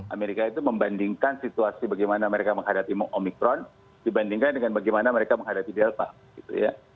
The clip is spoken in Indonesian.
amerika itu membandingkan situasi bagaimana mereka menghadapi omikron dibandingkan dengan bagaimana mereka menghadapi delta gitu ya